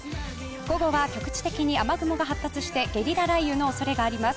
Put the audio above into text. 午後は局地的に雨雲が発達してゲリラ雷雨の恐れがあります。